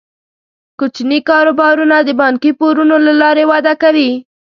کوچني کاروبارونه د بانکي پورونو له لارې وده کوي.